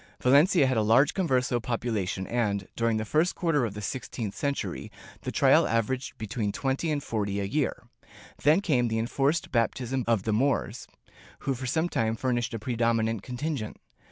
Valencia had a large converso population and, during the first quarter of the sixteenth century, the trials averaged between thirty and forty a year. Then came the enforced baptism of the Moors, who for some time furnished a predominant contingent.